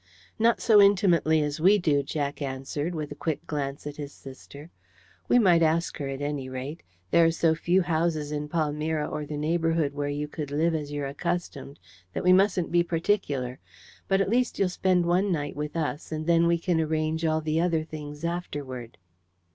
"Not so intimately as we do," Jack answered, with a quick glance at his sister. "We might ask her at any rate. There are so few houses in Palmyra or the neighbourhood where you could live as you're accustomed, that we mustn't be particular. But at least you'll spend one night with us, and then we can arrange all the other things afterward."